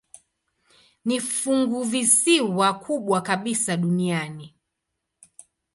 Ni funguvisiwa kubwa kabisa duniani.